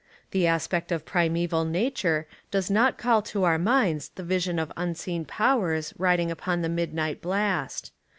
The aspect of prime val nature does not call to our minds the vision of Unseen Powers riding upon the midnight blast.